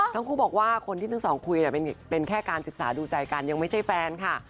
ทั้งคู่บอกว่าคนที่ทั้งสองคุยเป็นแค่การศึกษาดูใจกันยังไม่ใช่แฟนค่ะ